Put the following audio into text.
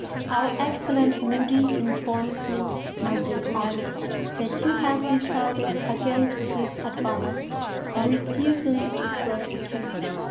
Our excellent Moody informs me, my dear aunt, that you have decided (against his advice) on 'refusing to prosecute.